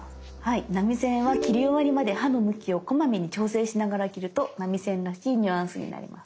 波線は切り終わりまで刃の向きをこまめに調整しながら切ると波線らしいニュアンスになります。